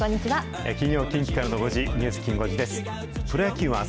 金曜近畿からの５時、ニュースきん５時です。